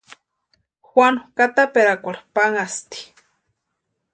Juanu kʼataperakwarhu panhasti.